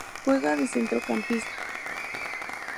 Juega de Centrocampista.